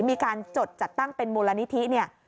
มีการจดจัดตั้งเป็นมูลนิธิเนี่ย